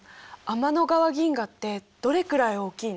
天の川銀河ってどれくらい大きいの？